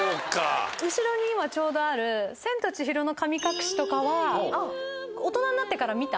後ろに今ちょうどある『千と千尋の神隠し』とかは大人になってから見た？